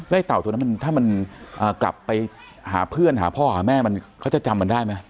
เต่าตัวนั้นถ้ามันกลับไปหาเพื่อนหาพ่อหาแม่มันเขาจะจำมันได้ไหม